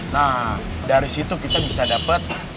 nah dari situ kita bisa dapat